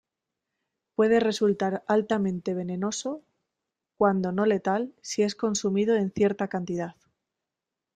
Puede resultar altamente venenoso, cuando no letal, si es consumido en cierta cantidad.